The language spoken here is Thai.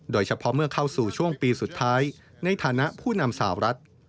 โดยเฉพาะเมื่อเข้าสู่ช่วงปีสุดท้ายในฐานะผู้นำสาวรัฐ